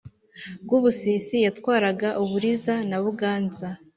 Rwubusisi yatwaraga Uburiza na Buganza-Sud.